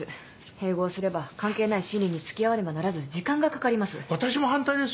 併合すれば関係ない審理に付き合わねばならず時間がかかります。